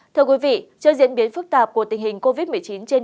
trước diễn biến phức tạp của tình hình covid một mươi chín trên địa bàn thành phố hà nội